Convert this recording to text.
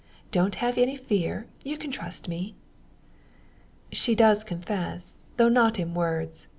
Don't have any fear, you can trust me." She does confess; though not in words.